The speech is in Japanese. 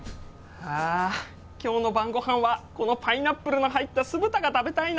あ今日の晩ごはんはこのパイナップルの入った酢豚が食べたいな。